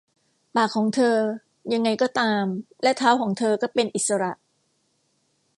ปากของเธอ ยังไงก็ตาม และเท้าของเธอก็เป็นอิสระ